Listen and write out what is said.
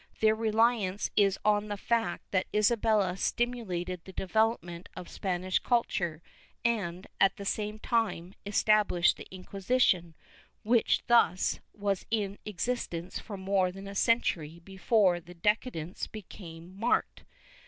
Their reliance is on the fact that Isabella stimulated the development of Spanish culture and, at the same time, established the Inc{uisition, which thus was in existence for more than a century before the decadence became marked.